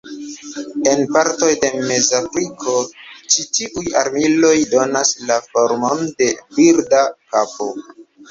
En partoj de Mezafriko ĉi tiuj armiloj donas la formon de birda kapo.